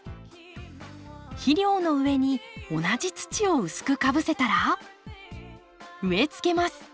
肥料の上に同じ土を薄くかぶせたら植えつけます。